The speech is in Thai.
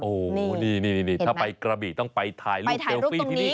โอ้โหนี่ถ้าไปกระบี่ต้องไปถ่ายรูปเซลฟี่ที่นี่